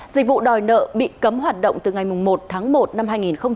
dịch vụ đòi nợ bị cấm hoạt động từ ngày một tháng một năm hai nghìn hai mươi